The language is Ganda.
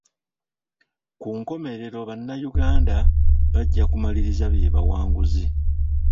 Ku nkomerero bannayuganda bajja kumaliriza be bawanguzi.